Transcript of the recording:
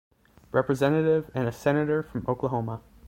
Representative and a Senator from Oklahoma.